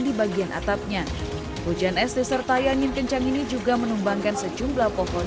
di bagian atapnya hujan es disertai angin kencang ini juga menumbangkan sejumlah pohon